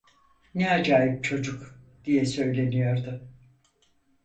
"Ne acayip çocuk!" diye söyleniyordu.